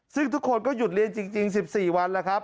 ซึ่งทุกคนก็หยุดเรียนจริง๑๔วันแล้วครับ